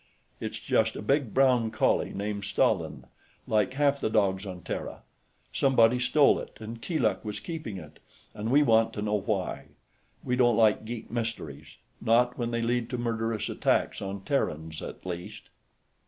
"It's just a big brown collie, named Stalin, like half the dogs on Terra. Somebody stole it, and Keeluk was keeping it, and we want to know why. We don't like geek mysteries; not when they lead to murderous attacks on Terrans, at least."